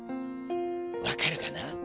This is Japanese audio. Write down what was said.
わかるかな？